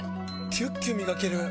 キュッキュ磨ける！